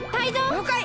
りょうかい！